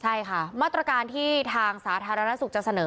ใช่ค่ะมาตรการที่ทางสาธารณสุขจะเสนอ